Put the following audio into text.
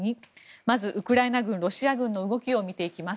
まずウクライナ軍、ロシア軍の動きを見ていきます。